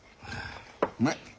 うまい！